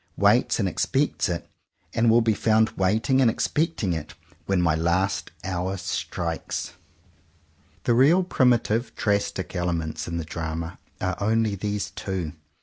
Waits and expects it; and will be found waiting and expecting it, when my last hour strikes. 115 CONFESSIONS OF TWO BROTHERS The real primitive, drastic elements in the drama are only these two.